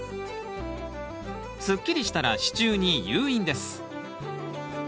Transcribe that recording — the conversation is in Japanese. すっきりしたら支柱に誘引です。